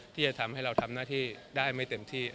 ที่จะทำให้เราทำหน้าที่ได้ไม่เต็มที่